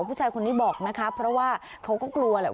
ผู้ชายคนนี้บอกนะคะเพราะว่าเขาก็กลัวแหละ